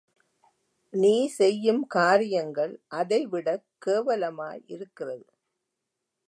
நீ செய்யும் காரியங்கள் அதைவிடக் கேவலமாயிருக்கிறது.